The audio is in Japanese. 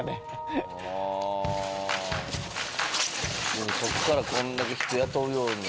でもそこからこんだけ人雇うように。